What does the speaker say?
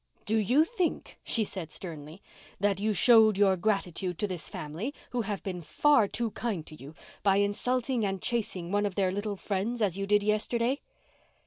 "Do you think," she said sternly, "that you showed your gratitude to this family, who have been far too kind to you, by insulting and chasing one of their little friends as you did yesterday?"